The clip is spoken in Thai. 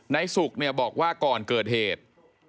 ในศุกร์เนี่ยบอกว่าก่อนเกิดเหตุ